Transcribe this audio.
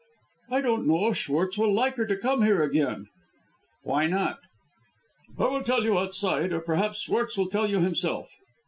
"I don't know if Schwartz will like her to come here again." "Why not?" "I will tell you outside, or perhaps Schwartz will tell you himself."